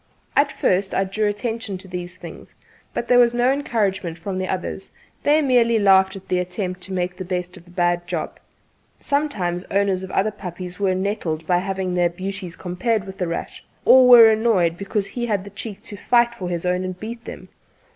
At first I drew attention to these things, but there was no encouragement from the others; they merely laughed at the attempt to make the best of a bad job. Sometimes owners of other puppies were nettled by having their beauties compared with "The Rat," or were annoyed because he had the cheek to fight for his own and beat them.